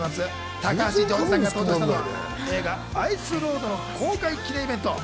高橋ジョージさんが登場したのは、映画『アイス・ロード』の公開記念イベント。